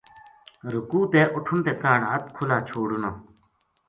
رکوع تے اٹھن تے کاہڈ ہتھ کھلا چھوڑنا۔